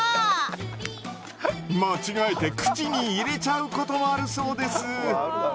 間違えて口に入れちゃうこともあるそうです。